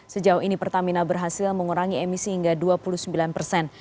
sejauh ini pertamina berhasil mengurangi emisi hingga dua puluh sembilan persen